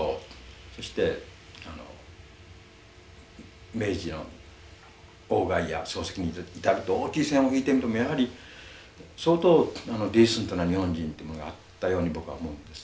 そして明治の外や漱石に至る大きい線を引いてみてもやはり相当ディーセントな日本人ってものがあったように僕は思うんですね。